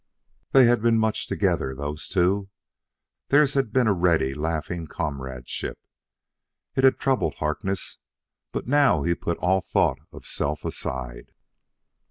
They had been much together, those two; theirs had been a ready, laughing comradeship. It had troubled Harkness, but now he put all thought of self aside.